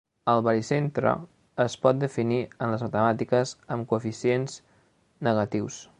El baricentre es pot definir en les matemàtiques amb coeficients negatius.